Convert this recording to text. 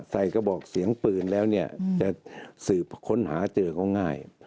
กระบอกเสียงปืนแล้วเนี่ยจะสืบค้นหาเจอก็ง่าย